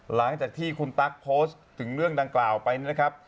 หลังจากที่คุณตั๊กโพสต์ถึงเรื่องดังกล่าวไปนะครับ